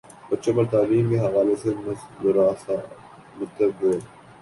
بچوں پر تعلیم کے حوالے سے مضراثرات مرتب ہوئے